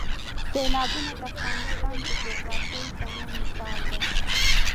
سیلابونه د افغانستان د جغرافیوي تنوع مثال دی.